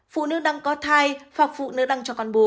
phụ nữ đang có thai hoặc phụ nữ đang cho con bú